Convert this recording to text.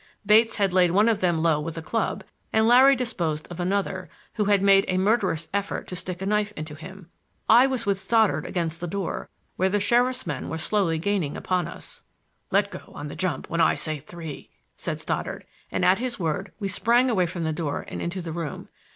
Bates had laid one of them low with a club and Larry disposed of another, who had made a murderous effort to stick a knife into him. I was with Stoddard against the door, where the sheriff's men were slowly gaining upon us. "Let go on the jump when I say three," said Stoddard, and at his word we sprang away from the door and into the room.